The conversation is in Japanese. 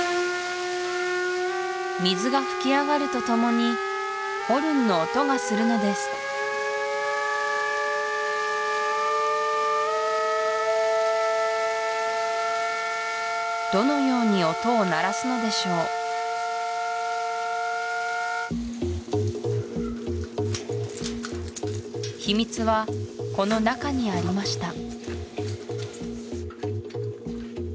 水が噴き上がるとともにホルンの音がするのですどのように音を鳴らすのでしょう秘密はこの中にありました